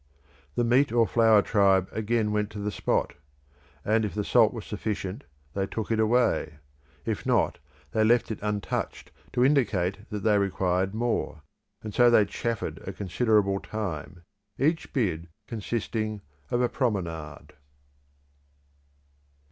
The meat or flour tribe again went to the spot; and if the salt was sufficient, they took it away; if not, they left it untouched, to indicate that they required more; and so they chaffered a considerable time, each bid consisting of a promenade.